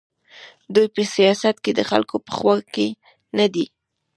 دوی په سیاست کې د خلکو په خوا کې نه دي.